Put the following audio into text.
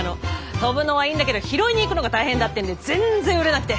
飛ぶのはいいんだけど拾いに行くのが大変だってんで全然売れなくて。